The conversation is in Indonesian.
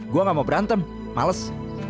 gue gak mau berantem males